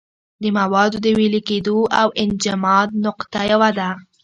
د موادو د ویلې کېدو او انجماد نقطه یوه ده.